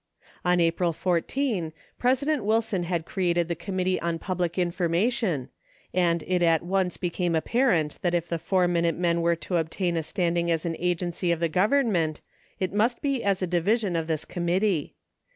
On April 14, President Wilson had created the Com mittee on Public Information, and it at once became apparent that if the Four Minute Men were to obtain a standing as an agency of the Government it must be as a division of this Committee.